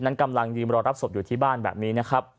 นั้นกำรังยืมรอรับศพอย่างนี้